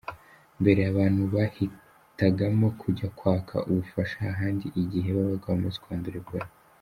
Mbere abantu bahitagamo kujya kwaka ubufasha ahandi igihe babaga bamaze kwandura Ebola.